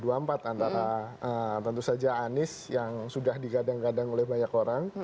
antara tentu saja anies yang sudah digadang gadang oleh banyak orang